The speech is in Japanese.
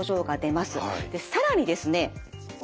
更にですね